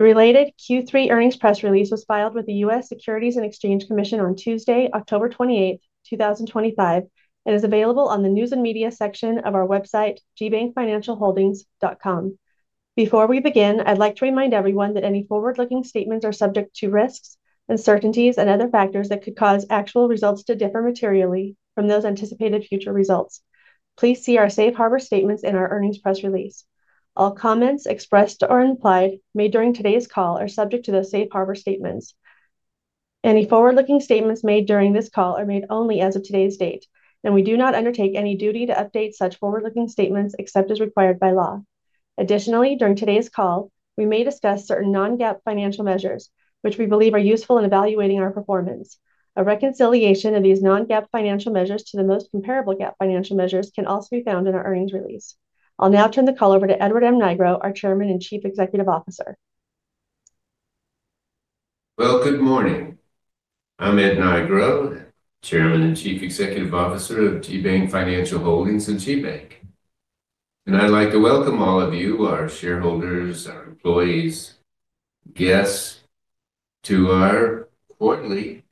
Related, Q3 earnings press release was filed with the U.S. Securities and Exchange Commission on Tuesday, October 28, 2025, and is available on the News and Media section of our website, gbankfinancialholdings.com. Before we begin, I'd like to remind everyone that any forward-looking statements are subject to risks, uncertainties, and other factors that could cause actual results to differ materially from those anticipated future results. Please see our Safe Harbor statements in our earnings press release. All comments expressed or implied made during today's call are subject to those Safe Harbor statements. Any forward-looking statements made during this call are made only as of today's date, and we do not undertake any duty to update such forward-looking statements except as required by law. Additionally, during today's call, we may discuss certain non-GAAP financial measures, which we believe are useful in evaluating our performance. A reconciliation of these non-GAAP financial measures to the most comparable GAAP financial measures can also be found in our earnings release. I'll now turn the call over to Edward M. Nigro, our Chairman and Chief Executive Officer. Good morning. I'm Edward M. Nigro, Chairman and Chief Executive Officer of GBank Financial Holdings Inc. and GBank. I'd like to welcome all of you, our shareholders, our employees, and guests to our quarterly,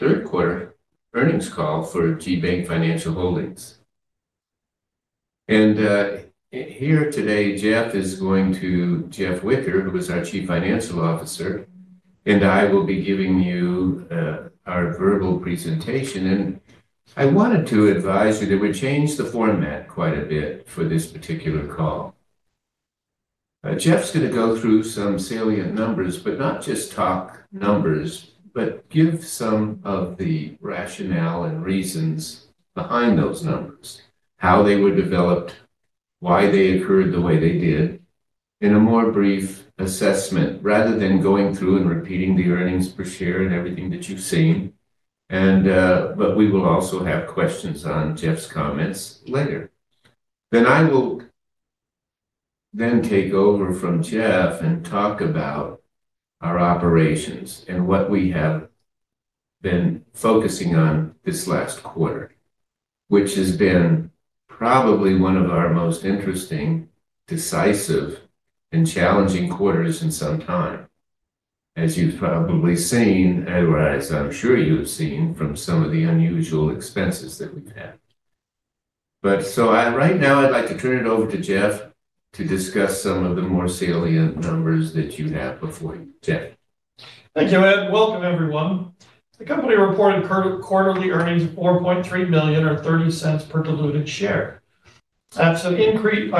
third-quarter earnings call for GBank Financial Holdings. Here today, Jeff Whicker, who is our Chief Financial Officer, and I will be giving you our verbal presentation. I wanted to advise you that we changed the format quite a bit for this particular call. Jeff's going to go through some salient numbers, but not just talk numbers, but give some of the rationale and reasons behind those numbers, how they were developed, why they occurred the way they did, in a more brief assessment rather than going through and repeating the earnings per share and everything that you've seen. We will also have questions on Jeff's comments later. I will then take over from Jeff and talk about our operations and what we have been focusing on this last quarter, which has been probably one of our most interesting, decisive, and challenging quarters in some time, as you've probably seen, or as I'm sure you have seen from some of the unusual expenses that we've had. Right now, I'd like to turn it over to Jeff to discuss some of the more salient numbers that you have before you, Jeff. Thank you, Ed. Welcome, everyone. The company reported quarterly earnings of $4.3 million or $0.30 per diluted share. That's a decrease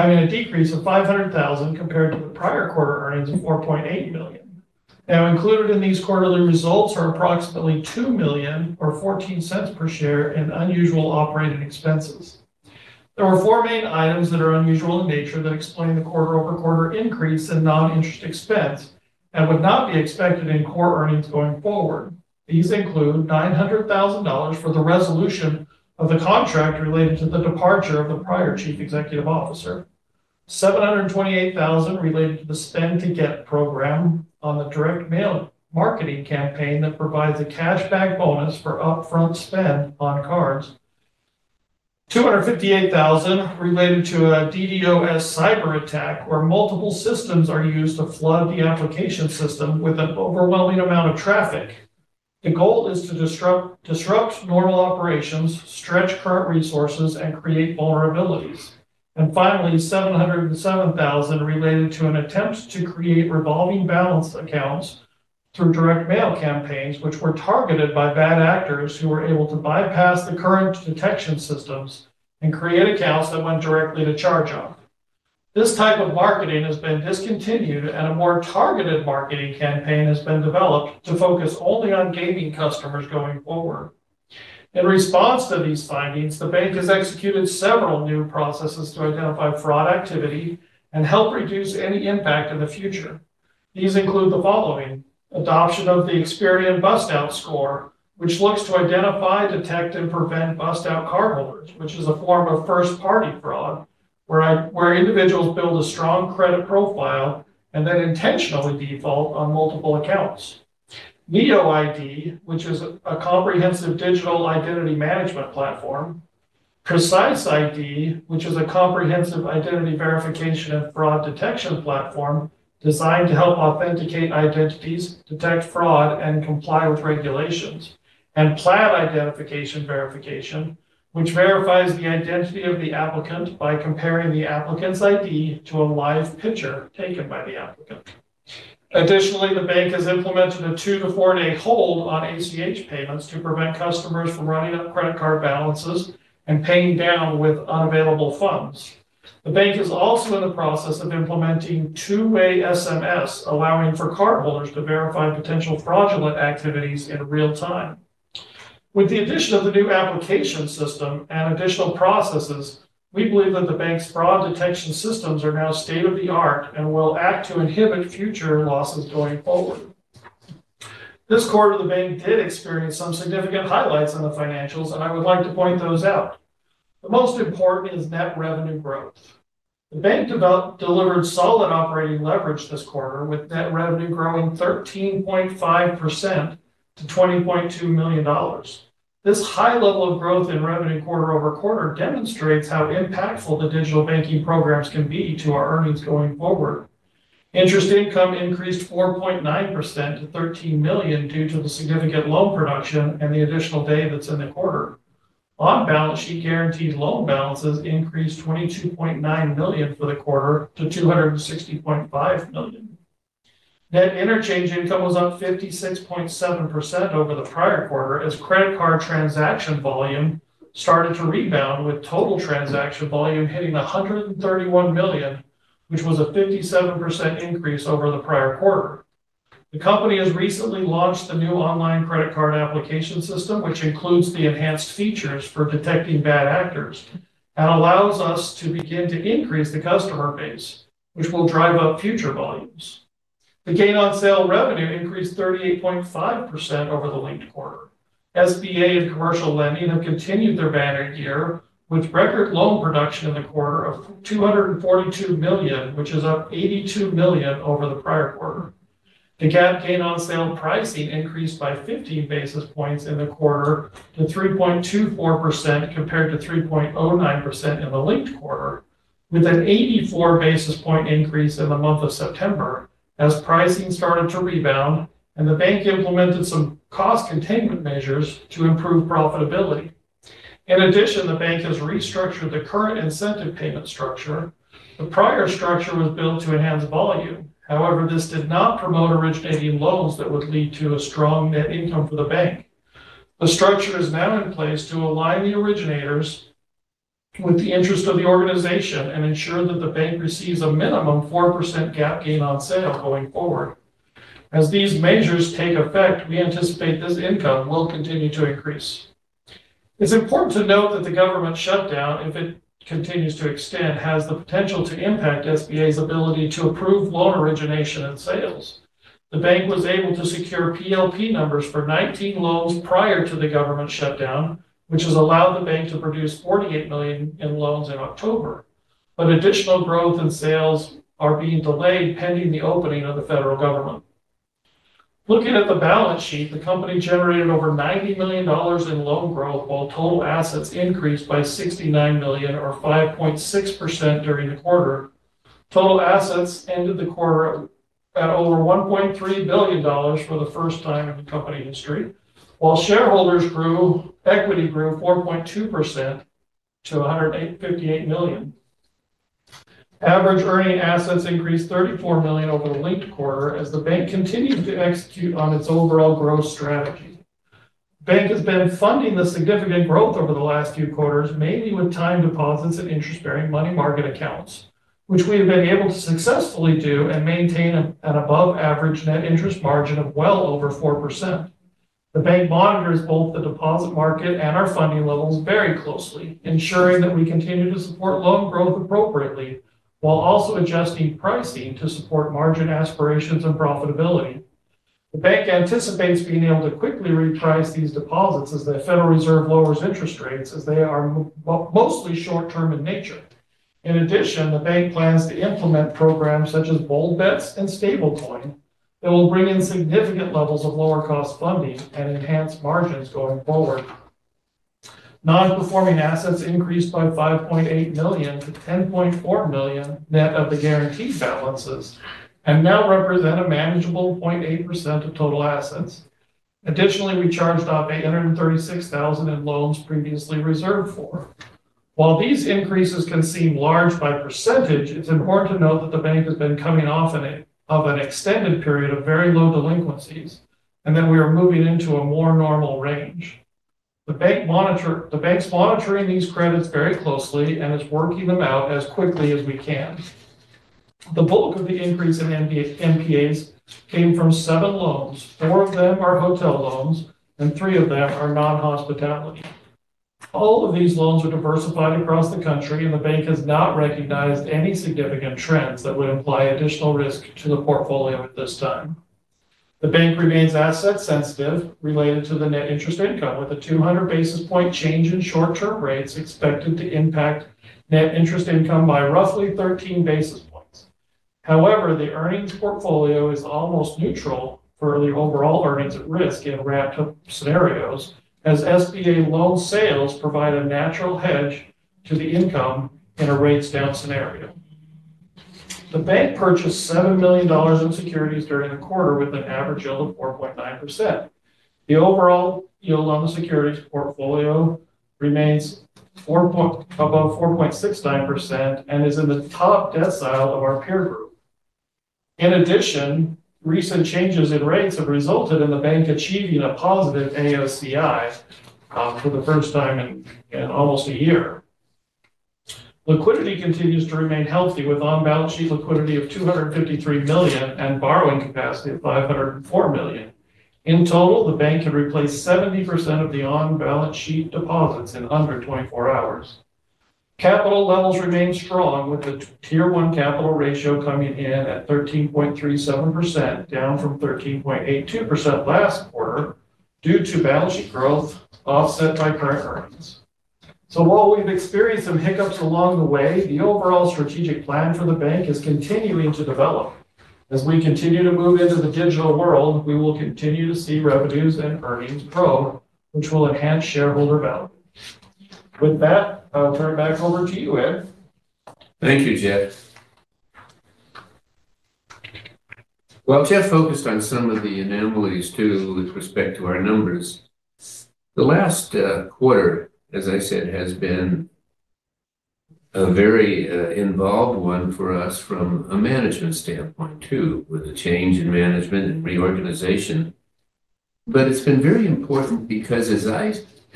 of $500,000 compared to the prior quarter earnings of $4.8 million. Included in these quarterly results are approximately $2 million or $0.14 per share in unusual operating expenses. There were four main items that are unusual in nature that explain the quarter-over-quarter increase in non-interest expense and would not be expected in core earnings going forward. These include $900,000 for the resolution of the contract related to the departure of the prior Chief Executive Officer, $728,000 related to the spend-to-get program on the direct mail marketing campaign that provides a cashback bonus for upfront spend on cards, $258,000 related to a DDoS cyberattack where multiple systems are used to flood the application system with an overwhelming amount of traffic. The goal is to disrupt normal operations, stretch current resources, and create vulnerabilities. Finally, $707,000 related to an attempt to create revolving balance accounts through direct mail campaigns, which were targeted by bad actors who were able to bypass the current detection systems and create accounts that went directly to charge off. This type of marketing has been discontinued, and a more targeted marketing campaign has been developed to focus only on gaming customers going forward. In response to these findings, the bank has executed several new processes to identify fraud activity and help reduce any impact in the future. These include the following: adoption of the Experian Bust Out Score, which looks to identify, detect, and prevent bust-out cardholders, which is a form of first-party fraud where individuals build a strong credit profile and then intentionally default on multiple accounts; NeoID, which is a comprehensive digital identity management platform; Precise ID, which is a comprehensive identity verification and fraud detection platform designed to help authenticate identities, detect fraud, and comply with regulations; and Plaid identification verification, which verifies the identity of the applicant by comparing the applicant's ID to a live picture taken by the applicant. Additionally, the bank has implemented a two-to-four-day hold on ACH payments to prevent customers from running up credit card balances and paying down with unavailable funds. The bank is also in the process of implementing two-way SMS for real-time fraud alerts, allowing for cardholders to verify potential fraudulent activities in real time. With the addition of the new application system and additional processes, we believe that the bank's fraud detection systems are now state-of-the-art and will act to inhibit future losses going forward. This quarter, the bank did experience some significant highlights in the financials, and I would like to point those out. The most important is net revenue growth. The bank delivered solid operating leverage this quarter, with net revenue growing 13.5% to $20.2 million. This high level of growth in revenue quarter-over-quarter demonstrates how impactful the digital banking programs can be to our earnings going forward. Interest income increased 4.9% to $13 million due to the significant loan production and the additional day that's in the quarter. On balance, guaranteed loan balances increased $22.9 million for the quarter to $260.5 million. Net interchange income was up 56.7% over the prior quarter as credit card transaction volume started to rebound, with total transaction volume hitting $131 million, which was a 57% increase over the prior quarter. The company has recently launched the new online credit card application system, which includes enhanced features for detecting bad actors and allows us to begin to increase the customer base, which will drive up future volumes. The gain on sale revenue increased 38.5% over the linked quarter. SBA and commercial lending have continued their banner year, with record loan production in the quarter of $242 million, which is up $82 million over the prior quarter. The GAAP gain on sale pricing increased by 15 basis points in the quarter to 3.24% compared to 3.09% in the linked quarter, with an 84 basis point increase in the month of September as pricing started to rebound and the bank implemented some cost containment measures to improve profitability. In addition, the bank has restructured the current incentive payment structure. The prior structure was built to enhance volume. However, this did not promote originating loans that would lead to a strong net income for the bank. The structure is now in place to align the originators with the interest of the organization and ensure that the bank receives a minimum 4% GAAP gain on sale going forward. As these measures take effect, we anticipate this income will continue to increase. It's important to note that the government shutdown, if it continues to extend, has the potential to impact SBA's ability to approve loan origination and sales. The bank was able to secure PLP numbers for 19 loans prior to the government shutdown, which has allowed the bank to produce $48 million in loans in October. Additional growth in sales is being delayed pending the opening of the federal government. Looking at the balance sheet, the company generated over $90 million in loan growth, while total assets increased by $69 million or 5.6% during the quarter. Total assets ended the quarter at over $1.3 billion for the first time in company history, while shareholders' equity grew 4.2% to $158 million. Average earning assets increased $34 million over the linked quarter as the bank continues to execute on its overall growth strategy. The bank has been funding the significant growth over the last few quarters mainly with time deposits and interest-bearing money market accounts, which we have been able to successfully do and maintain an above-average net interest margin of well over 4%. The bank monitors both the deposit market and our funding levels very closely, ensuring that we continue to support loan growth appropriately while also adjusting pricing to support margin aspirations and profitability. The bank anticipates being able to quickly reprice these deposits as the Federal Reserve lowers interest rates, as they are mostly short-term in nature. In addition, the bank plans to implement programs such as Bull Bets and stablecoin integration that will bring in significant levels of lower-cost funding and enhance margins going forward. Non-performing assets increased by $5.8 million to $10.4 million net of the guaranteed balances and now represent a manageable 0.8% of total assets. Additionally, we charged off $836,000 in loans previously reserved for. While these increases can seem large by percentage, it's important to note that the bank has been coming off of an extended period of very low delinquencies and that we are moving into a more normal range. The bank is monitoring these credits very closely and is working them out as quickly as we can. The bulk of the increase in NPAs came from seven loans. Four of them are hotel loans and three of them are non-hospitality. All of these loans are diversified across the country and the bank has not recognized any significant trends that would imply additional risk to the portfolio at this time. The bank remains asset-sensitive related to the net interest income, with a 200 basis point change in short-term rates expected to impact net interest income by roughly 13 basis points. However, the earnings portfolio is almost neutral for the overall earnings at risk in ramped-up scenarios as SBA loan sales provide a natural hedge to the income in a rates-down scenario. The bank purchased $7 million in securities during the quarter with an average yield of 4.9%. The overall yield on the securities portfolio remains above 4.69% and is in the top decile of our peer group. In addition, recent changes in rates have resulted in the bank achieving a positive AOCI for the first time in almost a year. Liquidity continues to remain healthy with on-balance sheet liquidity of $253 million and borrowing capacity of $504 million. In total, the bank can replace 70% of the on-balance sheet deposits in under 24 hours. Capital levels remain strong with the Tier 1 capital ratio coming in at 13.37%, down from 13.82% last quarter due to balance sheet growth offset by current earnings. We've experienced some hiccups along the way, the overall strategic plan for the bank is continuing to develop. As we continue to move into the digital world, we will continue to see revenues and earnings grow, which will enhance shareholder value. With that, I'll turn it back over to you, Ed. Thank you, Jeff. Jeff focused on some of the anomalies too with respect to our numbers. The last quarter, as I said, has been a very involved one for us from a management standpoint too, with a change in management and reorganization. It has been very important because,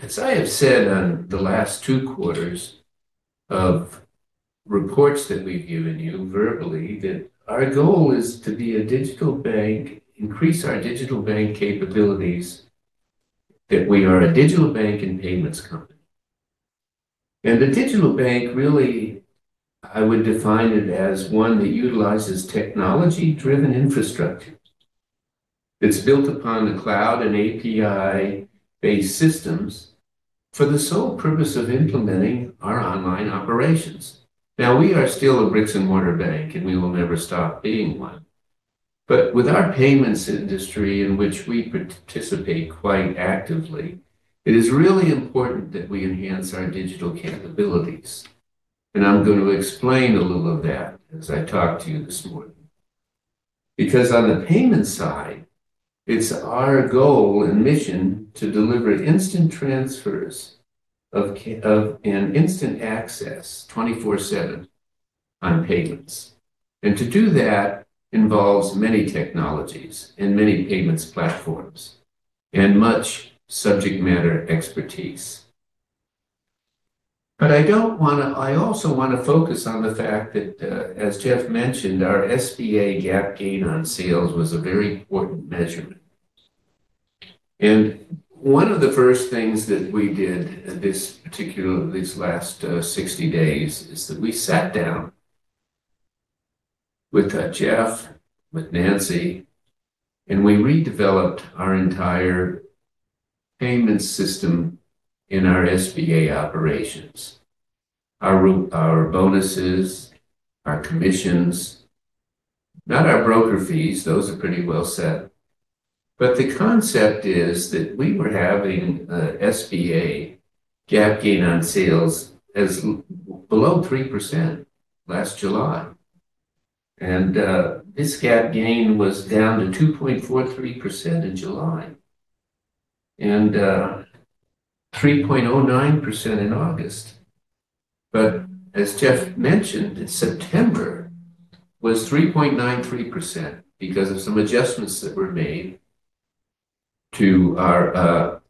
as I have said on the last two quarters of reports that we've given you verbally, our goal is to be a digital bank, increase our digital bank capabilities, that we are a digital bank and payments company. The digital bank, I would define it as one that utilizes technology-driven infrastructure that's built upon the cloud and API-based systems for the sole purpose of implementing our online operations. We are still a bricks-and-mortar bank and we will never stop being one. With our payments industry, in which we participate quite actively, it is really important that we enhance our digital capabilities. I'm going to explain a little of that as I talk to you this morning. On the payment side, it's our goal and mission to deliver instant transfers and instant access 24/7 on payments. To do that involves many technologies and many payments platforms and much subject matter expertise. I also want to focus on the fact that, as Jeff mentioned, our SBA GAAP gain on sales was a very important measurement. One of the first things that we did these last 60 days is that we sat down with Jeff, with Nancy, and we redeveloped our entire payment system in our SBA operations, our bonuses, our commissions, not our broker fees, those are pretty well set. The concept is that we were having an SBA GAAP gain on sales as below 3% last July. This GAAP gain was down to 2.43% in July and 3.09% in August. As Jeff mentioned, in September it was 3.93% because of some adjustments that were made to our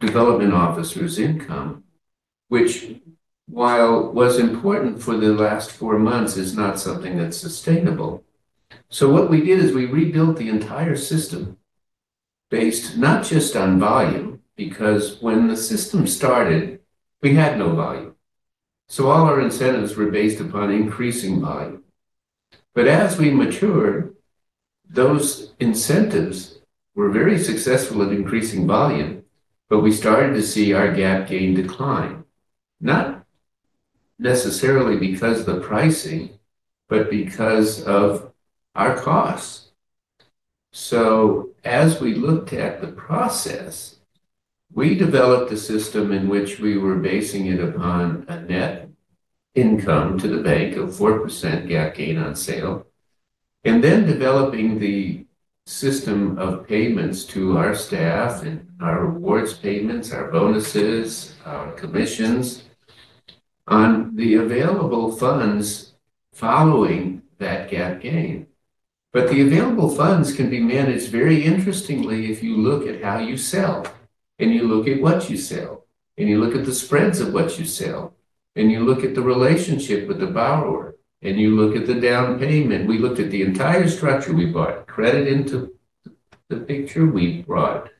development officer's income, which, while it was important for the last four months, is not something that's sustainable. What we did is we rebuilt the entire system based not just on volume, because when the system started, we had no volume. All our incentives were based upon increasing volume. As we matured, those incentives were very successful at increasing volume, but we started to see our GAAP gain decline, not necessarily because of the pricing, but because of our costs. As we looked at the process, we developed a system in which we were basing it upon a net income to the bank of 4% GAAP gain on sale, and then developing the system of payments to our staff and our rewards payments, our bonuses, our commissions on the available funds following that GAAP gain. The available funds can be managed very interestingly if you look at how you sell and you look at what you sell and you look at the spreads of what you sell and you look at the relationship with the borrower and you look at the down payment. We looked at the entire structure. We brought credit into the picture, we brought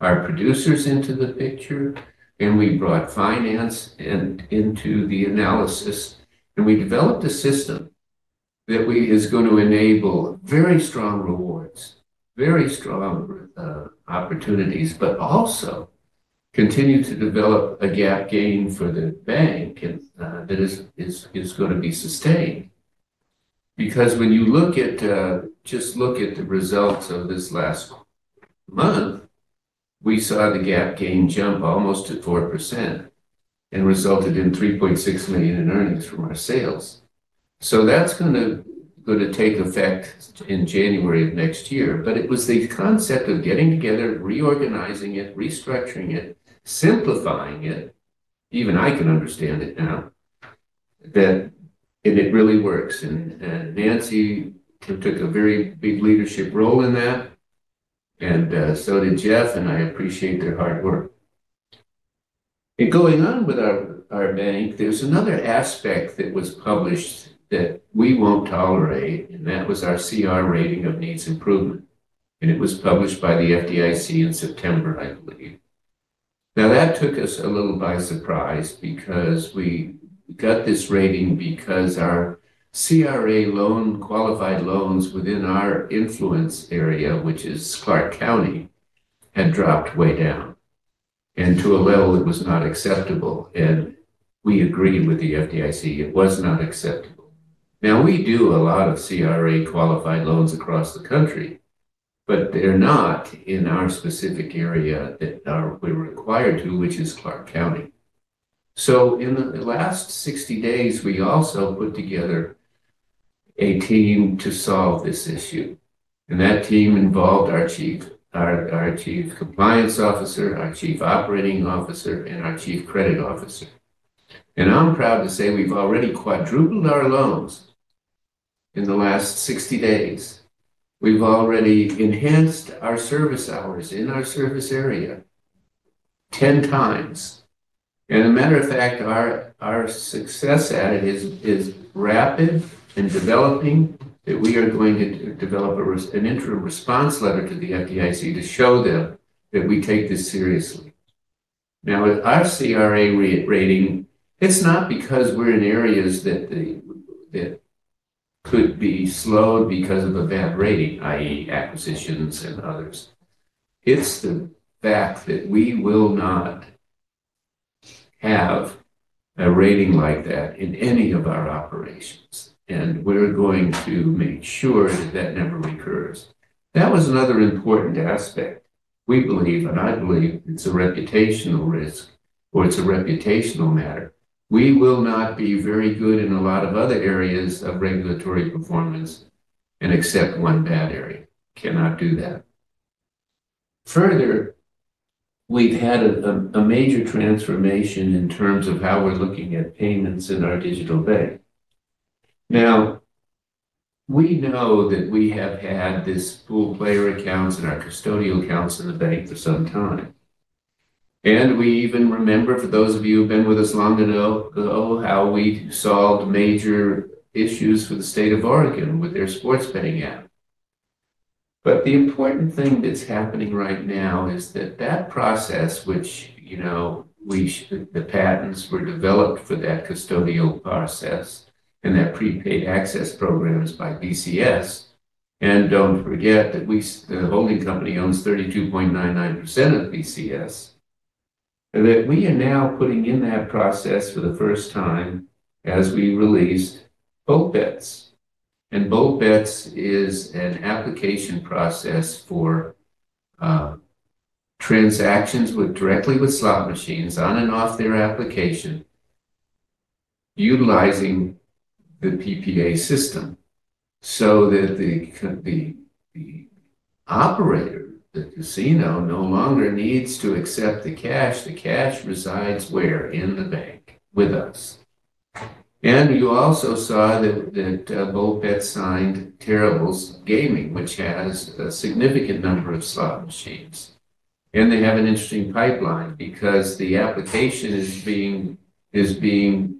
our producers into the picture, and we brought finance into the analysis. We developed a system that is going to enable very strong rewards, very strong opportunities, but also continue to develop a GAAP gain for the bank that is going to be sustained. When you look at, just look at the results of this last month, we saw the GAAP gain jump almost to 4% and resulted in $3.6 million in earnings from our sales. That is going to take effect in January of next year. It was the concept of getting together, reorganizing it, restructuring it, simplifying it, even I can understand it now, and it really works. Nancy took a very big leadership role in that, and so did Jeff, and I appreciate their hard work. Going on with our bank, there's another aspect that was published that we won't tolerate, and that was our CRA rating of needs improvement. It was published by the FDIC in September, I believe. That took us a little by surprise because we got this rating because our CRA loan qualified loans within our influence area, which is Clark County, had dropped way down and to a level that was not acceptable. We agreed with the FDIC it was not acceptable. We do a lot of CRA qualified loans across the country, but they're not in our specific area that we're required to, which is Clark County. In the last 60 days, we also put together a team to solve this issue. That team involved our Chief Compliance Officer, our Chief Operating Officer, and our Chief Credit Officer. I'm proud to say we've already quadrupled our loans in the last 60 days. We've already enhanced our service hours in our service area 10x. As a matter of fact, our success at it is rapid and developing that we are going to develop an interim response letter to the FDIC to show them that we take this seriously. Now, with our CRA rating, it's not because we're in areas that could be slowed because of a bad rating, i.e., acquisitions and others. It's the fact that we will not have a rating like that in any of our operations. We're going to make sure that that never recurs. That was another important aspect. We believe, and I believe, it's a reputational risk or it's a reputational matter. We will not be very good in a lot of other areas of regulatory performance and accept one bad area. Cannot do that. Further, we've had a major transformation in terms of how we're looking at payments in our digital bank. We know that we have had this full player accounts and our custodial accounts in the bank for some time. We even remember, for those of you who've been with us long enough, how we solved major issues for the state of Oregon with their sports betting app. The important thing that's happening right now is that that process, which you know the patents were developed for that custodial process and that prepaid access programs by BCS. Don't forget that the holding company owns 32.99% of BCS. We are now putting in that process for the first time as we released Bull Bets. Bull Bets is an application process for transactions directly with slot machines on and off their application utilizing the PPA system so that the operator, the casino, no longer needs to accept the cash. The cash resides where? In the bank with us. You also saw that Bull Bets signed Terrible's Gaming, which has a significant number of slot machines. They have an interesting pipeline because the application is being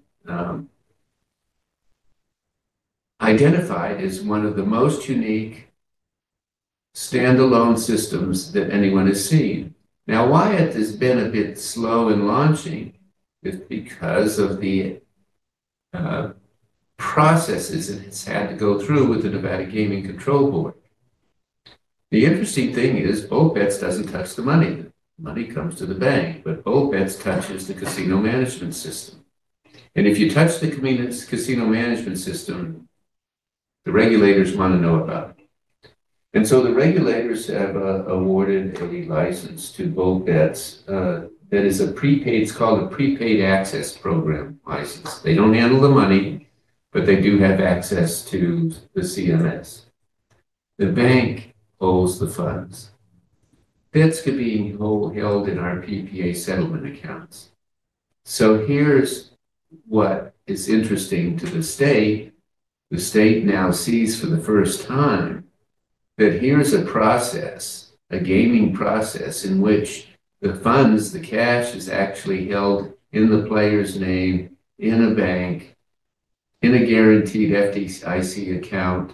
identified as one of the most unique standalone systems that anyone has seen. Why it has been a bit slow in launching is because of the processes it has had to go through with the Nevada Gaming Control Board. The interesting thing is Bull Bets doesn't touch the money. The money comes to the bank, but Bull Bets touches the casino management system. If you touch the casino management system, the regulators want to know about it. The regulators have awarded a license to Bull Bets that is a prepaid, it's called a prepaid access program license. They don't handle the money, but they do have access to the CMS. The bank owes the funds. Bets could be held in our PPA settlement accounts. Here's what is interesting to the state. The state now sees for the first time that here's a process, a gaming process in which the funds, the cash is actually held in the player's name in a bank, in a guaranteed FDIC account,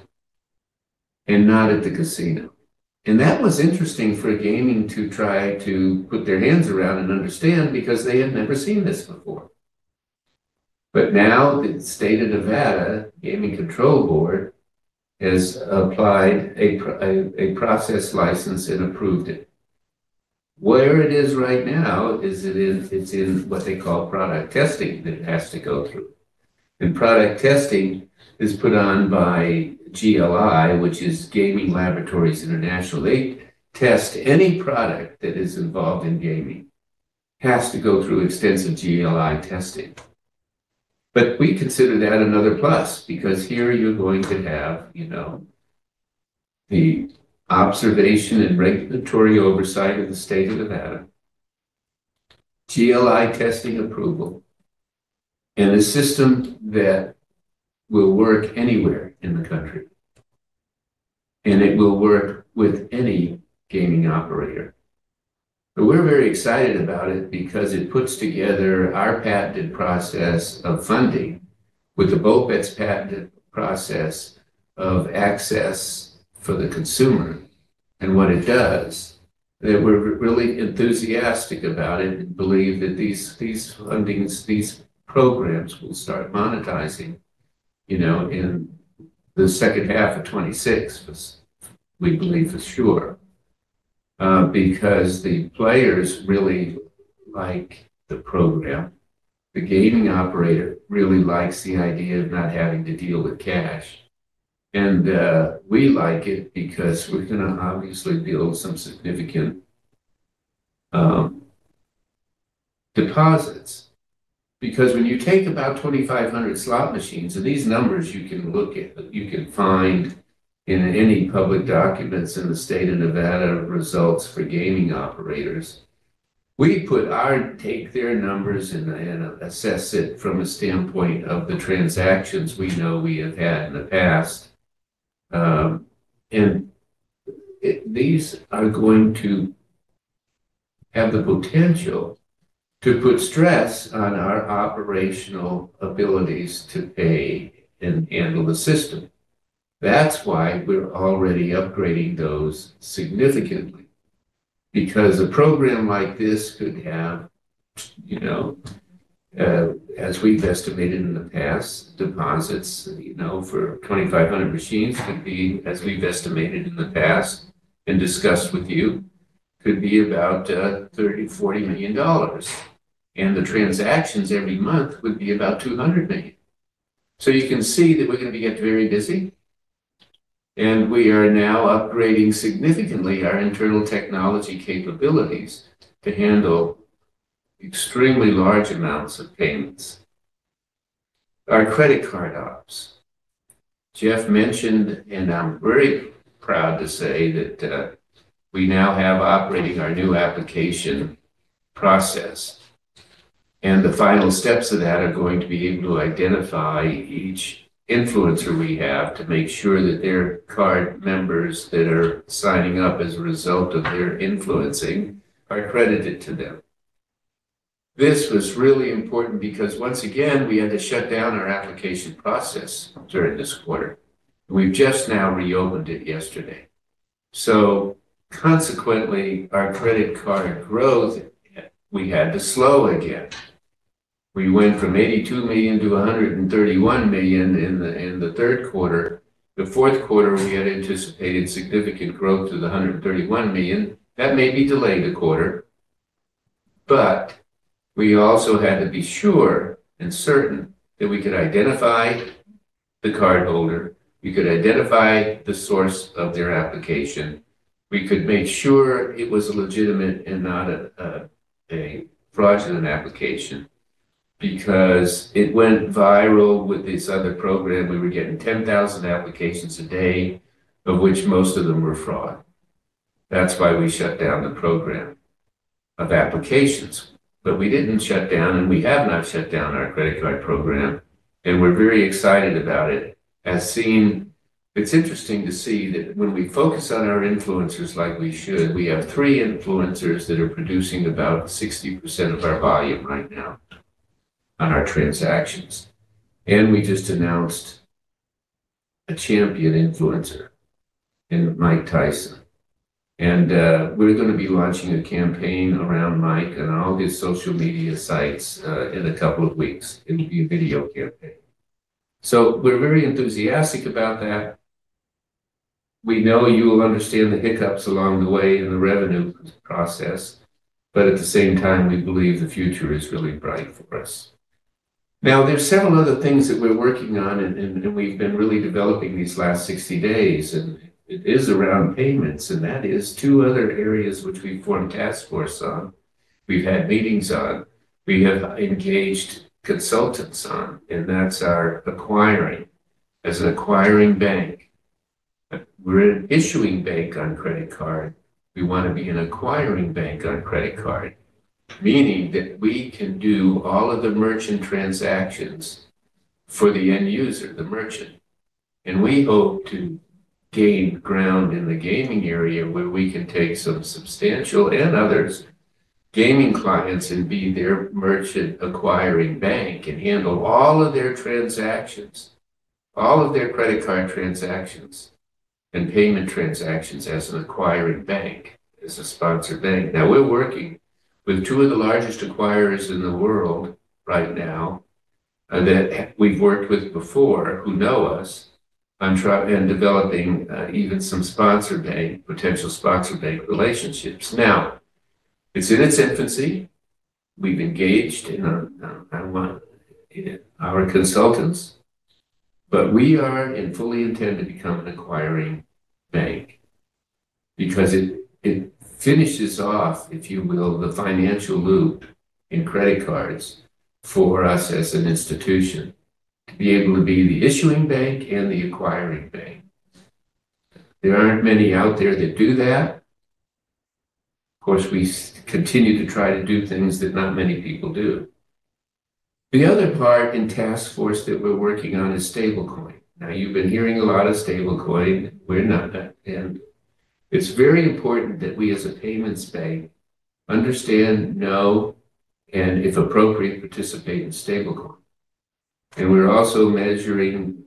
and not at the casino. That was interesting for gaming to try to put their hands around and understand because they had never seen this before. Now the state of Nevada Gaming Control Board has applied a process license and approved it. Where it is right now is it in what they call product testing that it has to go through. Product testing is put on by GLI, which is Gaming Laboratories International. They test any product that is involved in gaming. It has to go through extensive GLI testing. We consider that another plus because here you're going to have, you know, the observation and regulatory oversight of the state of Nevada, GLI testing approval, and a system that will work anywhere in the country. It will work with any gaming operator. We're very excited about it because it puts together our patented process of funding with the Bull Bets patented process of access for the consumer and what it does. We're really enthusiastic about it and believe that these fundings, these programs will start monetizing, you know, in the second half of 2026, we believe for sure, because the players really like the program. The gaming operator really likes the idea of not having to deal with cash. We like it because we're going to obviously build some significant deposits. When you take about 2,500 slot machines, and these numbers you can look at, you can find in any public documents in the state of Nevada results for gaming operators. We put our take their numbers and assess it from a standpoint of the transactions we know we have had in the past. These are going to have the potential to put stress on our operational abilities to pay and handle the system. That's why we're already upgrading those significantly. A program like this could have, you know, as we've estimated in the past, deposits, you know, for 2,500 machines could be, as we've estimated in the past and discussed with you, could be about $30 million, $40 million. The transactions every month would be about $200 million. You can see that we're going to get very busy. We are now upgrading significantly our internal technology capabilities to handle extremely large amounts of payments. Our credit card ops, Jeff mentioned, and I'm very proud to say that we now have operating our new application process. The final steps of that are going to be able to identify each influencer we have to make sure that their card members that are signing up as a result of their influencing are credited to them. This was really important because, once again, we had to shut down our application process during this quarter. We've just now reopened it yesterday. Consequently, our credit card growth, we had to slow again. We went from $82 million to $131 million in the third quarter. The fourth quarter, we had anticipated significant growth to the $131 million. That may be delayed a quarter. We also had to be sure and certain that we could identify the cardholder. We could identify the source of their application. We could make sure it was legitimate and not a fraudulent application because it went viral with this other program. We were getting 10,000 applications a day, of which most of them were fraud. That's why we shut down the program of applications. We didn't shut down, and we have not shut down our credit card program. We're very excited about it. As seen, it's interesting to see that when we focus on our influencers like we should, we have three influencers that are producing about 60% of our volume right now on our transactions. We just announced a champion influencer in Mike Tyson. We're going to be launching a campaign around Mike and all his social media sites in a couple of weeks. It'll be a video campaign. We're very enthusiastic about that. We know you will understand the hiccups along the way in the revenue process. At the same time, we believe the future is really bright for us. Now, there's several other things that we're working on, and we've been really developing these last 60 days. It is around payments, and that is two other areas which we've formed task forces on. We've had meetings on. We have engaged consultants on, and that's our acquiring. As an acquiring bank, we're an issuing bank on credit card. We want to be an acquiring bank on credit card, meaning that we can do all of the merchant transactions for the end user, the merchant. We hope to gain ground in the gaming area where we can take some substantial and others' gaming clients and be their merchant acquiring bank and handle all of their transactions, all of their credit card transactions and payment transactions as an acquiring bank, as a sponsor bank. We are working with two of the largest acquirers in the world right now that we've worked with before who know us on developing even some sponsor bank, potential sponsor bank relationships. It's in its infancy. We've engaged our consultants, but we are and fully intend to become an acquiring bank because it finishes off, if you will, the financial loop in credit cards for us as an institution to be able to be the issuing bank and the acquiring bank. There aren't many out there that do that. Of course, we continue to try to do things that not many people do. The other part in task force that we're working on is Stablecoin. You've been hearing a lot of Stablecoin. We're not. It's very important that we, as a payments bank, understand, know, and if appropriate, participate in Stablecoin. We're also measuring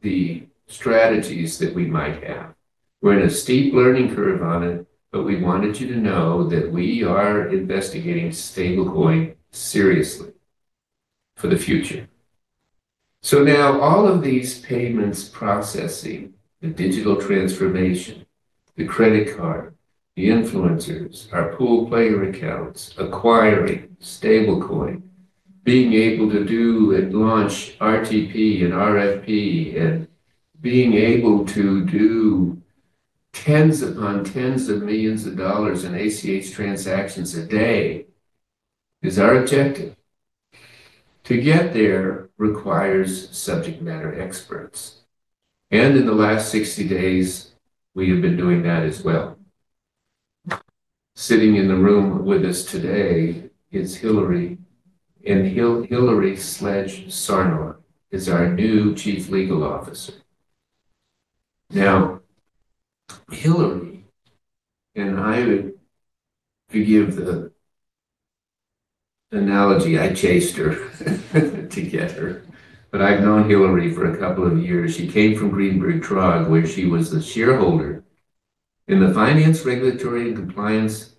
the strategies that we might have. We're in a steep learning curve on it, but we wanted you to know that we are investigating Stablecoin seriously for the future. All of these payments processing, the digital transformation, the credit card, the influencers, our pool player accounts, acquiring Stablecoin, being able to do and launch RTP and RFP, and being able to do tens upon tens of millions of dollars in ACH transactions a day is our objective. To get there requires subject matter experts. In the last 60 days, we have been doing that as well. Sitting in the room with us today is Hillary, and Hilary Sledge‑Sarnor is our new Chief Legal Officer. I would forgive the analogy, I chased her to get her, but I've known Hillary for a couple of years. She came from Greenberg Traurig, where she was a shareholder in the Finance Regulatory and Compliance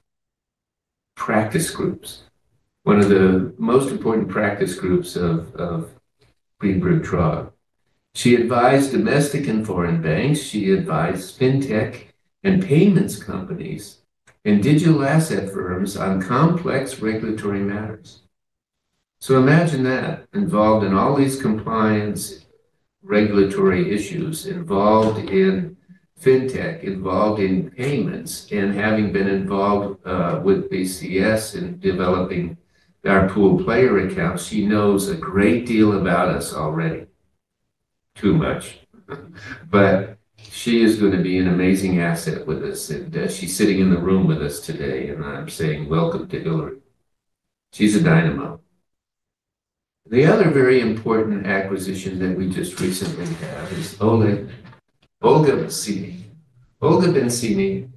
Practice Groups, one of the most important practice groups of Greenberg Traurig. She advised domestic and foreign banks. She advised fintech and payments companies and digital asset firms on complex regulatory matters. Imagine that involved in all these compliance regulatory issues, involved in fintech, involved in payments, and having been involved with BCS in developing our pool player accounts. She knows a great deal about us already, too much. She is going to be an amazing asset with us. She's sitting in the room with us today, and I'm saying welcome to Hillary. She's a dynamo. The other very important acquisition that we just recently had is Olga Bencini. Olga Bencini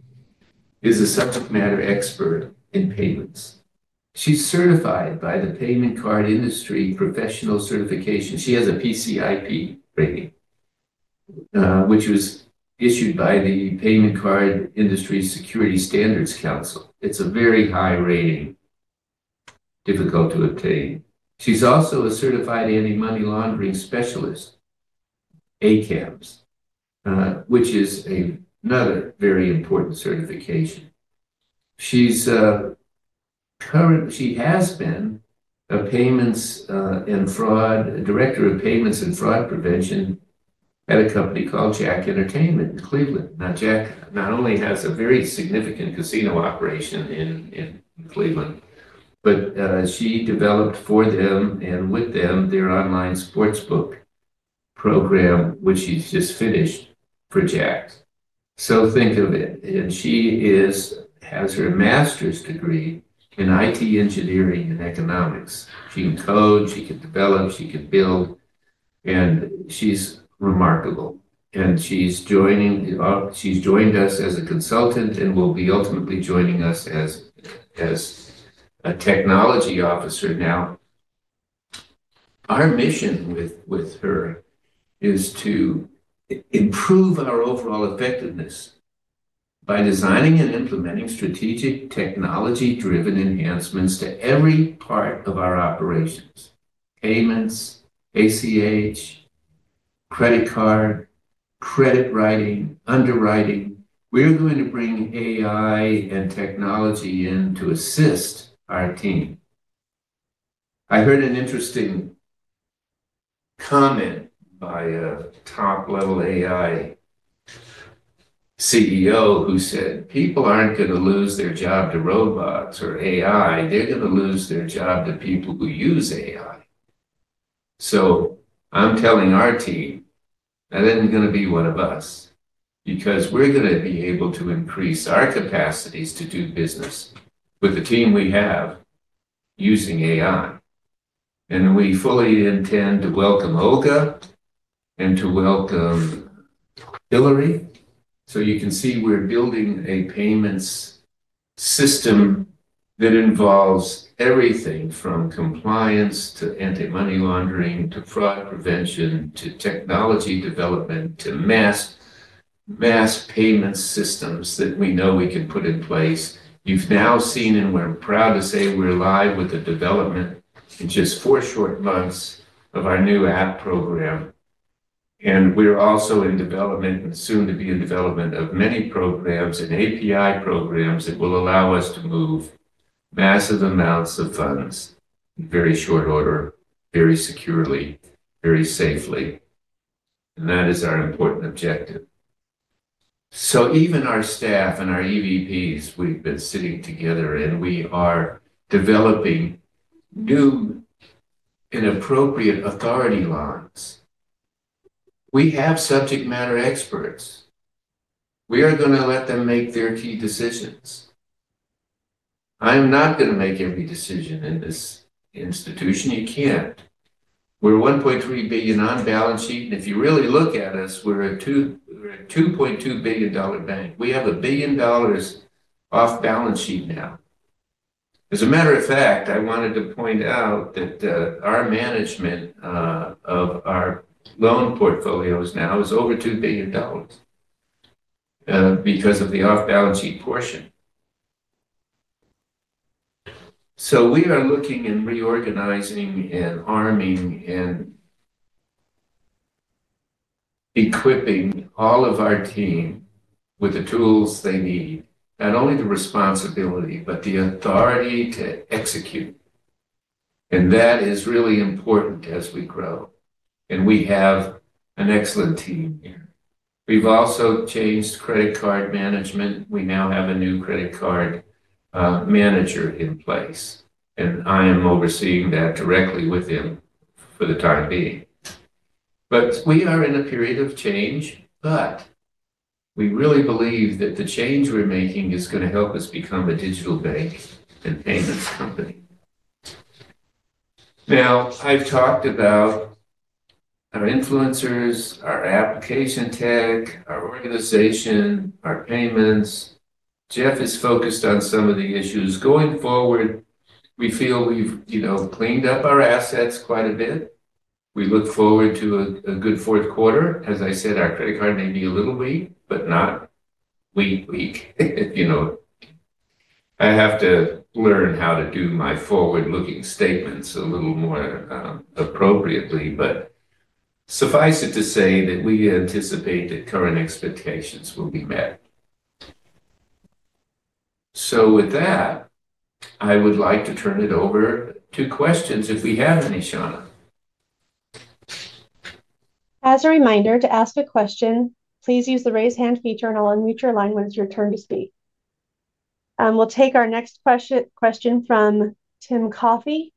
is a subject matter expert in payments. She's certified by the Payment Card Industry Professional Certification. She has a PCIP rating, which was issued by the Payment Card Industry Security Standards Council. It's a very high rating, difficult to obtain. She's also a certified anti-money laundering specialist, ACAMS, which is another very important certification. She has been a Payments and Fraud Director of Payments and Fraud Prevention at a company called Jack Entertainment in Cleveland. Jack not only has a very significant casino operation in Cleveland, but she developed for them and with them their online sportsbook program, which she's just finished for Jack. Think of it. She has her master's degree in IT engineering and economics. She can code, she can develop, she can build, and she's remarkable. She's joined us as a consultant and will be ultimately joining us as a Technology Officer now. Our mission with her is to improve our overall effectiveness by designing and implementing strategic technology-driven enhancements to every part of our operations: payments, ACH, credit card, credit writing, underwriting. We're going to bring AI and technology in to assist our team. I heard an interesting comment by a top-level AI CEO who said, "People aren't going to lose their job to robots or AI. They're going to lose their job to people who use AI." I'm telling our team, that isn't going to be one of us because we're going to be able to increase our capacities to do business with the team we have using AI. We fully intend to welcome Olga and to welcome Hillary. You can see we're building a payments system that involves everything from compliance to anti-money laundering to fraud prevention to technology development to mass payment systems that we know we can put in place. You've now seen, and we're proud to say we're live with the development in just four short months of our new app program. We're also in development and soon to be in development of many programs and API programs that will allow us to move massive amounts of funds in very short order, very securely, very safely. That is our important objective. Even our staff and our EVPs, we've been sitting together and we are developing new and appropriate authority lines. We have subject matter experts. We are going to let them make their key decisions. I'm not going to make every decision in this institution. You can't. We're $1.3 billion on balance sheet. If you really look at us, we're a $2.2 billion bank. We have $1 billion off balance sheet now. As a matter of fact, I wanted to point out that our management of our loan portfolios now is over $2 billion because of the off balance sheet portion. We are looking and reorganizing and arming and equipping all of our team with the tools they need, not only the responsibility, but the authority to execute. That is really important as we grow. We have an excellent team here. We've also changed credit card management. We now have a new credit card manager in place. I am overseeing that directly with him for the time being. We are in a period of change, but we really believe that the change we're making is going to help us become a digital bank and payments company. I've talked about our influencers, our application tech, our organization, our payments. Jeff is focused on some of the issues. Going forward, we feel we've cleaned up our assets quite a bit. We look forward to a good fourth quarter. As I said, our credit card may be a little weak, but not weak weak. I have to learn how to do my forward-looking statements a little more appropriately. Suffice it to say that we anticipate that current expectations will be met. With that, I would like to turn it over to questions if we have any, Shauna. As a reminder, to ask a question, please use the raise hand feature and I'll unmute your line when it's your turn to speak. We'll take our next question from Tim Coffey.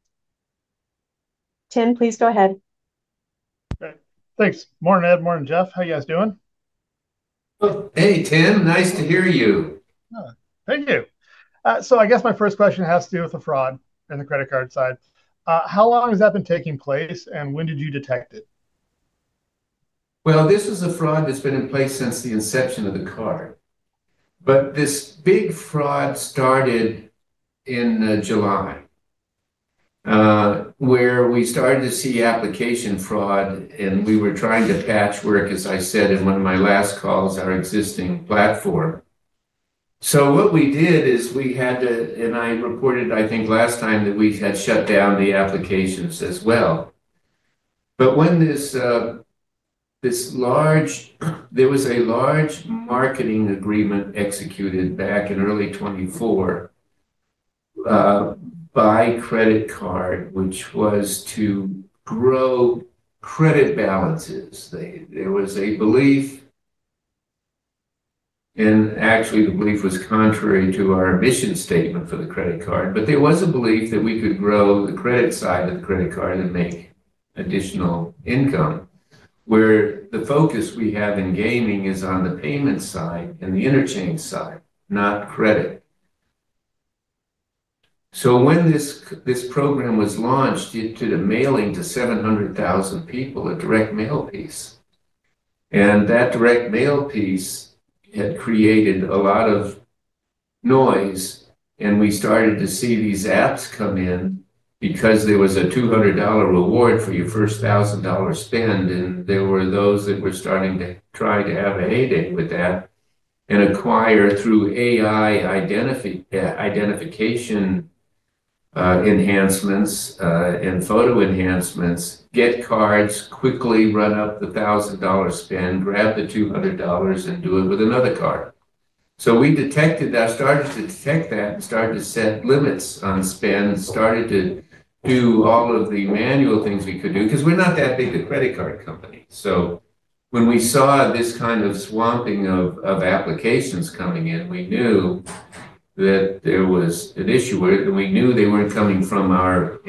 Tim, please go ahead. Okay. Thanks. Morning, Ed. Morning, Jeff. How are you guys doing? Hey, Tim. Nice to hear you. Hey, Tim. My first question has to do with the fraud and the credit card side. How long has that been taking place, and when did you detect it? This is a fraud that's been in place since the inception of the card. This big fraud started in July, where we started to see application fraud and we were trying to patchwork, as I said in one of my last calls, our existing platform. What we did is we had to, and I reported, I think last time that we had shut down the applications as well. When this large, there was a large marketing agreement executed back in early 2024 by Credit Card, which was to grow credit balances. There was a belief, and actually, the belief was contrary to our mission statement for the credit card. There was a belief that we could grow the credit side of the credit card and make additional income, where the focus we have in gaming is on the payment side and the interchange side, not credit. When this program was launched, it did a mailing to 700,000 people, a direct mail piece. That direct mail piece had created a lot of noise, and we started to see these apps come in because there was a $200 reward for your first $1,000 spend. There were those that were starting to try to have a heyday with that and acquire through AI identification enhancements and photo enhancements, get cards, quickly run up the $1,000 spend, grab the $200, and do it with another card. We detected that, started to detect that, and started to set limits on spend, started to do all of the manual things we could do because we're not that big a credit card company. When we saw this kind of swamping of applications coming in, we knew that there was an issue with it. We knew they weren't coming from our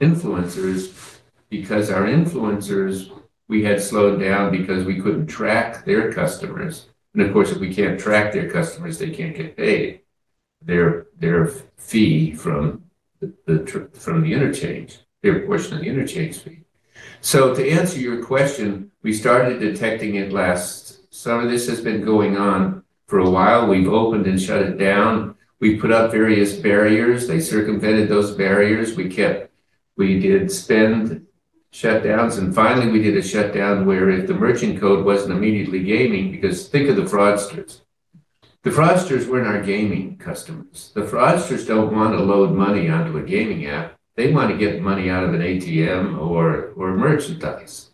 influencers because our influencers, we had slowed down because we couldn't track their customers. Of course, if we can't track their customers, they can't get paid their fee from the interchange, their portion of the interchange fee. To answer your question, we started detecting it last summer. This has been going on for a while. We've opened and shut it down. We put up various barriers. They circumvented those barriers. We did spend shutdowns. Finally, we did a shutdown where if the merchant code wasn't immediately gaming, because think of the fraudsters. The fraudsters weren't our gaming customers. The fraudsters don't want to load money onto a gaming app. They want to get money out of an ATM or merchandise.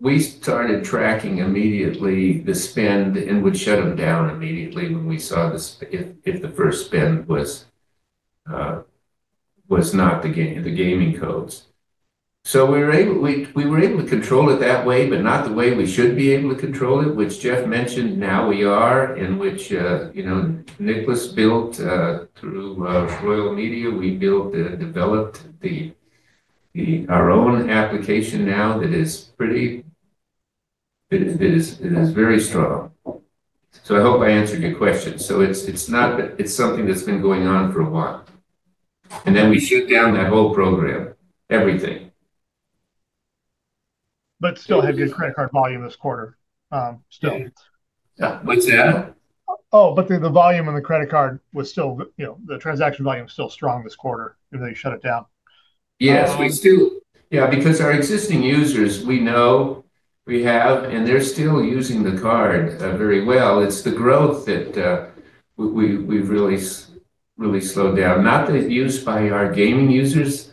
We started tracking immediately the spend and would shut them down immediately when we saw if the first spend was not the gaming codes. We were able to control it that way, but not the way we should be able to control it, which Jeff Whicker mentioned. Now we are in, which, you know, Nicholas built through Royal Media. We built and developed our own application now that is pretty, it is very strong. I hope I answered your question. It is not that it is something that has been going on for a while. We shut down that whole program, everything. We still had good credit card volume this quarter. What's that? The volume in the credit card was still, you know, the transaction volume is still strong this quarter if they shut it down. Yes, we still, yeah, because our existing users, we know we have, and they're still using the card very well. It's the growth that we've really, really slowed down, not that it's used by our gaming users.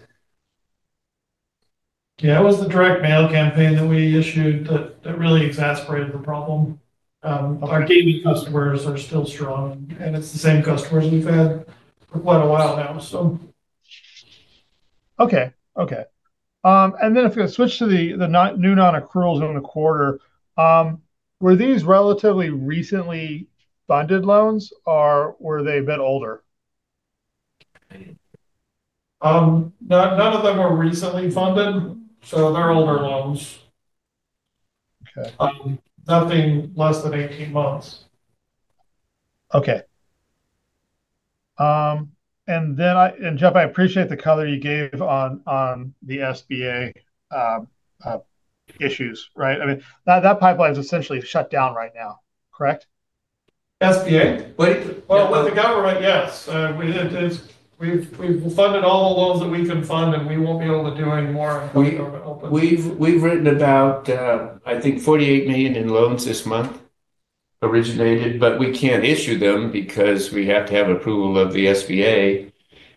Yeah, it was the direct mail campaign that we issued that really exacerbated the problem. Our gaming customers are still strong, and it's the same customers we've had for quite a while now. Okay. If we switch to the new non-accruals in the quarter, were these relatively recently funded loans or were they a bit older? None of them were recently funded, so they're older loans. Nothing less than 18 months. Okay. Jeff, I appreciate the color you gave on the SBA issues, right? I mean, that pipeline is essentially shut down right now, correct? SBA? With the government, yes. We've funded all the loans that we can fund, and we won't be able to do any more until the government opens up. We've written about $48 million in loans this month originated, but we can't issue them because we have to have approval of the SBA.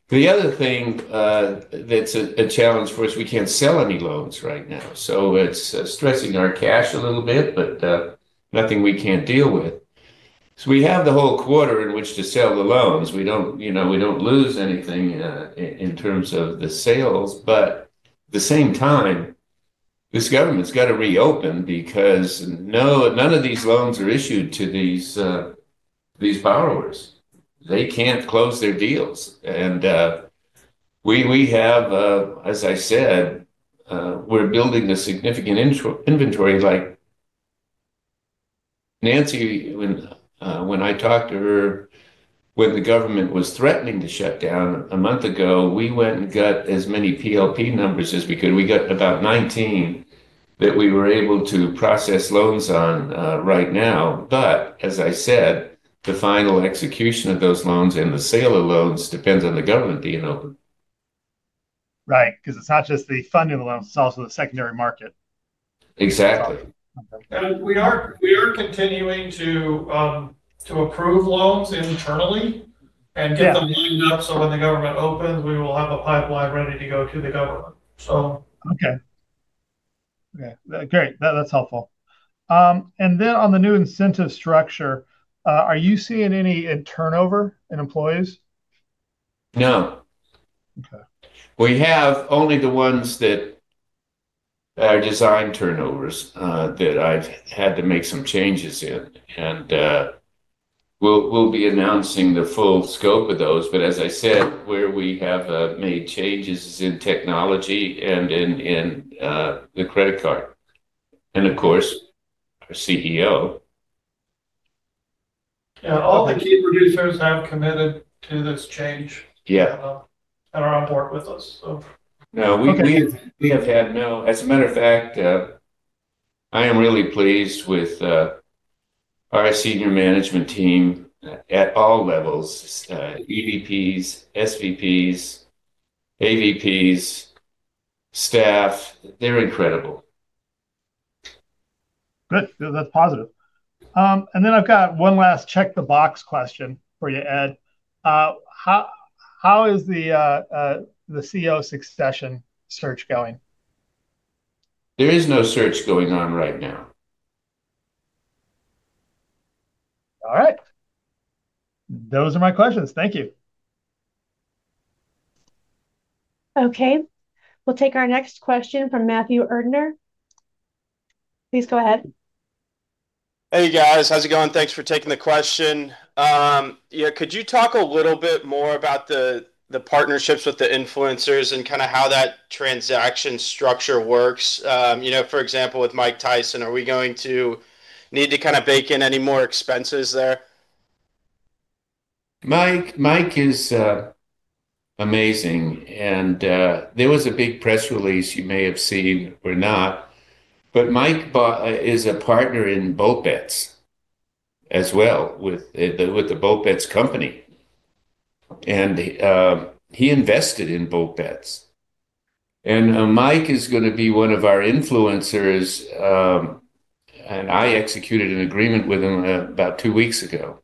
The other thing that's a challenge for us, we can't sell any loans right now. It's stressing our cash a little bit, but nothing we can't deal with. We have the whole quarter in which to sell the loans. We don't lose anything in terms of the sales. At the same time, this government's got to reopen because none of these loans are issued to these borrowers. They can't close their deals. As I said, we're building a significant inventory. Like Nancy, when I talked to her, when the government was threatening to shut down a month ago, we went and got as many PLP numbers as we could. We got about 19 that we were able to process loans on right now. As I said, the final execution of those loans and the sale of loans depends on the government being open. Right, because it's not just the funding of the loans. It's also the secondary market. Exactly. Okay. We are continuing to approve loans internally and get them lined up so when the government opens, we will have a pipeline ready to go to the government. Okay. Great. That's helpful. On the new incentive structure, are you seeing any turnover in employees? No. Okay. We have only the ones that are designed turnovers that I've had to make some changes in. We'll be announcing the full scope of those. As I said, where we have made changes is in technology and in the credit card, and of course, our CEO. Yeah, all the key producers have committed to this change. Yeah. They are on board with us. No, we have had no. As a matter of fact, I am really pleased with our senior management team at all levels, EVPs, SVPs, AVPs, staff. They're incredible. Good. That's positive. I've got one last check-the-box question for you, Ed. How is the CEO succession search going? There is no search going on right now. All right. Those are my questions. Thank you. Okay. We'll take our next question from Matthew Erdner. Please go ahead. Hey, guys. How's it going? Thanks for taking the question. Could you talk a little bit more about the partnerships with the influencers and kind of how that transaction structure works? For example, with Mike Tyson, are we going to need to kind of bake in any more expenses there? Mike is amazing. There was a big press release, you may have seen or not. Mike is a partner in Bull Bets as well with the Bull Bets company. He invested in Bull Bets. Mike is going to be one of our influencers. I executed an agreement with him about two weeks ago.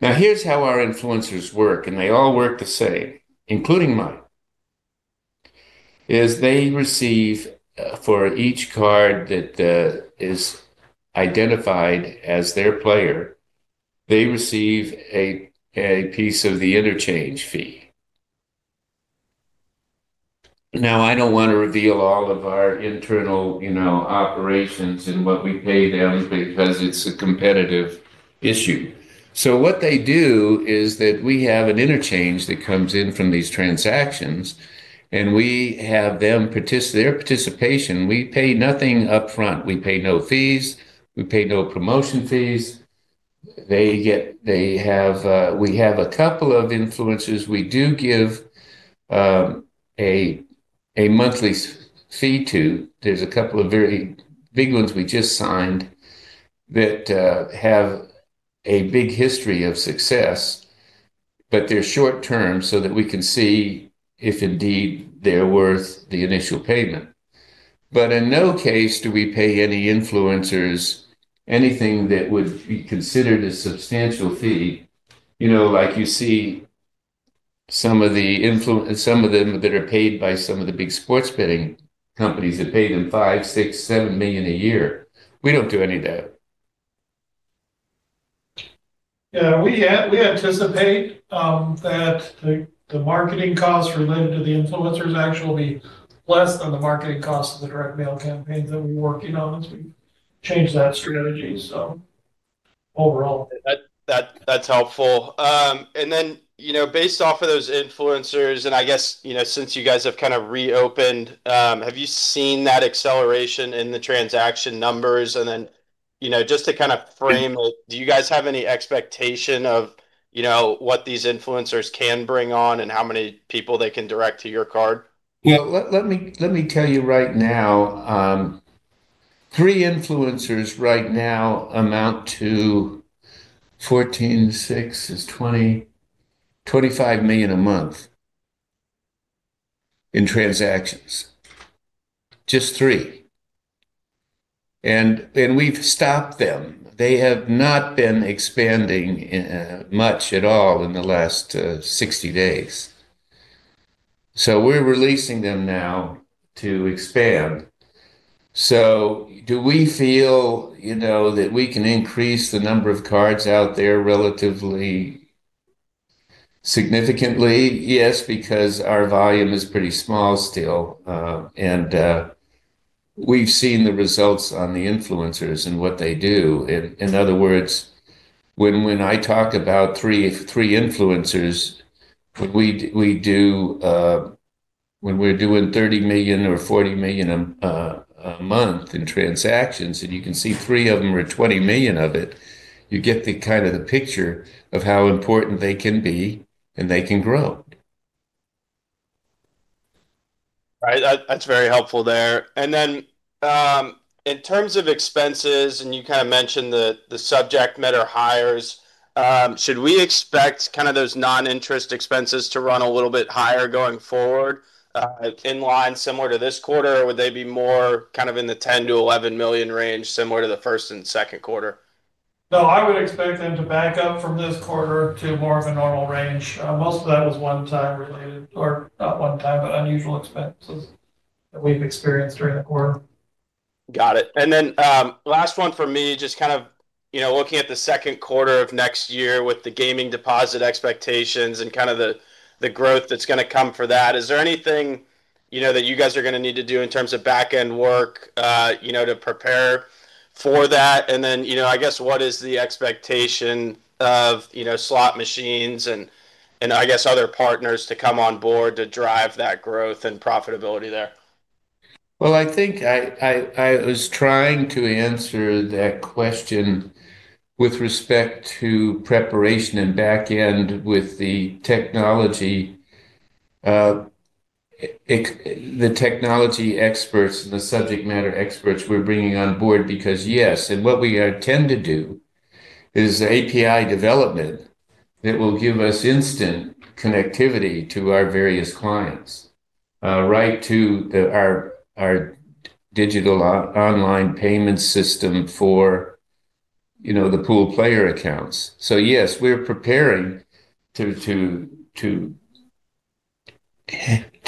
Here's how our influencers work, and they all work the same, including Mike. They receive, for each card that is identified as their player, a piece of the interchange fee. I don't want to reveal all of our internal operations and what we pay them because it's a competitive issue. What they do is that we have an interchange that comes in from these transactions, and we have their participation. We pay nothing upfront. We pay no fees. We pay no promotion fees. We have a couple of influencers we do give a monthly fee to. There's a couple of very big ones we just signed that have a big history of success, but they're short-term so that we can see if indeed they're worth the initial payment. In no case do we pay any influencers anything that would be considered a substantial fee. You see some of the influencers, some of them that are paid by some of the big sports betting companies that pay them $5 million, $6 million, $7 million a year. We don't do any of that. Yeah, we anticipate that the marketing costs related to the influencers actually will be less than the marketing costs of the direct mail campaigns that we're working on as we change that strategy. Overall, we expect this shift to result in lower expenses. That's helpful. Based off of those influencers, and I guess, since you guys have kind of reopened, have you seen that acceleration in the transaction numbers? Just to kind of frame it, do you guys have any expectation of what these influencers can bring on and how many people they can direct to your card? Yeah, let me tell you right now, three influencers right now amount to $14 million, $6 million, $20 million, $25 million a month in transactions. Just three. We've stopped them. They have not been expanding much at all in the last 60 days. We're releasing them now to expand. Do we feel that we can increase the number of cards out there relatively significantly? Yes, because our volume is pretty small still. We've seen the results on the influencers and what they do. In other words, when I talk about three influencers, when we're doing $30 million or $40 million a month in transactions, and you can see three of them are $20 million of it, you get the picture of how important they can be and they can grow. That's very helpful. In terms of expenses, you kind of mentioned the subject matter hires. Should we expect those non-interest expenses to run a little bit higher going forward in line similar to this quarter, or would they be more in the $10 million-$11 million range similar to the first and second quarter? No, I would expect them to back up from this quarter to more of a normal range. Most of that was one-time related, or not one-time, but unusual expenses that we've experienced during the quarter. Got it. Last one for me, just kind of looking at the second quarter of next year with the gaming deposit expectations and the growth that's going to come for that. Is there anything that you guys are going to need to do in terms of backend work to prepare for that? What is the expectation of slot machines and other partners to come on board to drive that growth and profitability there? I think I was trying to answer that question with respect to preparation and backend with the technology experts and the subject matter experts we're bringing on board because, yes, and what we intend to do is API development that will give us instant connectivity to our various clients, right, to our digital online payment system for, you know, the pool player accounts. Yes, we're preparing to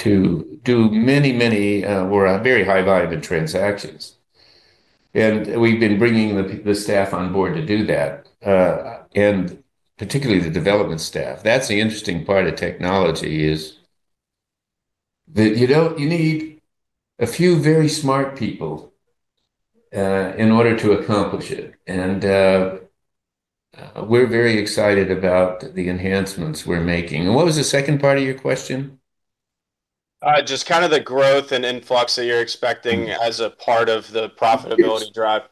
do many, many or very high-volume transactions. We've been bringing the staff on board to do that, particularly the development staff. That's the interesting part of technology, you need a few very smart people in order to accomplish it. We're very excited about the enhancements we're making. What was the second part of your question? Just kind of the growth and influx that you're expecting as a part of the profitability drive.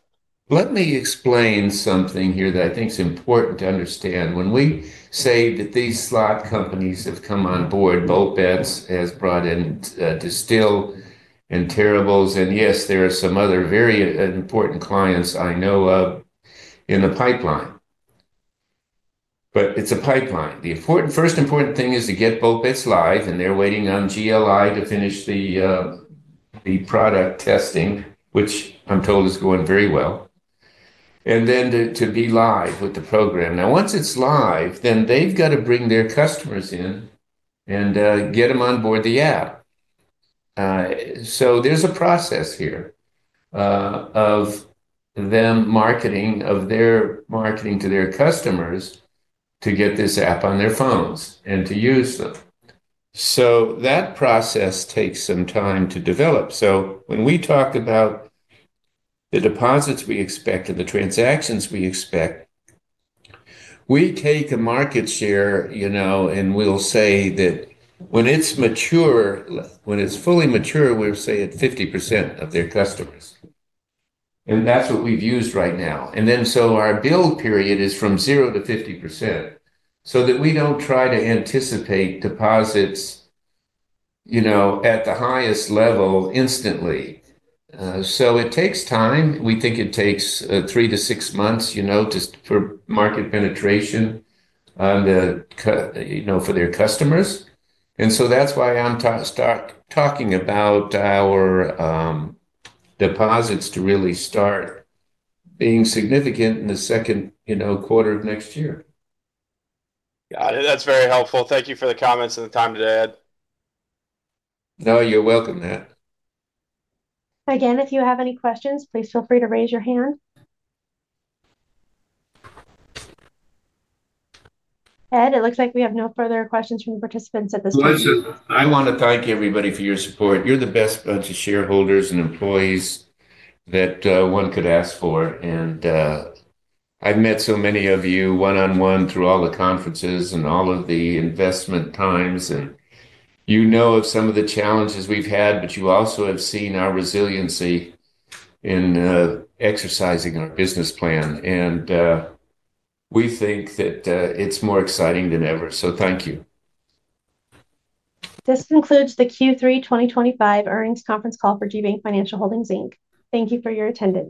Let me explain something here that I think is important to understand. When we say that these slot companies have come on board, Bull Bets has brought in Distill and Terribles, and yes, there are some other very important clients I know of in the pipeline. It is a pipeline. The first important thing is to get Bull Bets live, and they're waiting on GLI to finish the product testing, which I'm told is going very well. Then to be live with the program. Once it's live, they've got to bring their customers in and get them on board the app. There is a process here of their marketing to their customers to get this app on their phones and to use them. That process takes some time to develop. When we talk about the deposits we expect and the transactions we expect, we take a market share, you know, and we'll say that when it's mature, when it's fully mature, we'll say it's 50% of their customers. That's what we've used right now. Our build period is from 0 to 50% so that we don't try to anticipate deposits at the highest level instantly. It takes time. We think it takes three to six months just for market penetration for their customers. That's why I'm talking about our deposits to really start being significant in the second quarter of next year. Got it. That's very helpful. Thank you for the comments and the time today, Ed. No, you're welcome, Matt. Again, if you have any questions, please feel free to raise your hand. Ed, it looks like we have no further questions from the participants at this time. I want to thank everybody for your support. You're the best bunch of shareholders and employees that one could ask for. I've met so many of you one-on-one through all the conferences and all of the investment times. You know of some of the challenges we've had, but you also have seen our resiliency in exercising our business plan. We think that it's more exciting than ever. Thank you. This concludes the Q3 2025 earnings conference call for GBank Financial Holdings Inc. Thank you for your attendance.